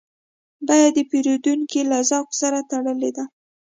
بیه د پیرودونکي له ذوق سره تړلې ده.